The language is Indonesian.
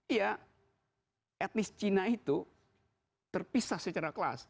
iya etnis cina itu terpisah secara kelas